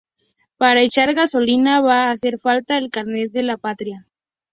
Para echar gasolina va a hacer falta el carnet de la patria.